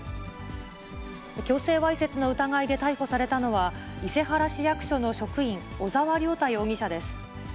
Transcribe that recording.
強制わいせつの疑いで逮捕されたのは、伊勢原市役所の職員、小沢亮太容疑者です。